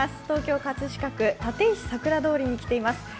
東京・葛飾区立石さくら通りに来ています。